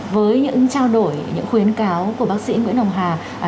với những trao đổi những khuyến cáo của bác sĩ nguyễn hồng hà